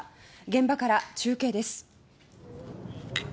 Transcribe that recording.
現場から中継です。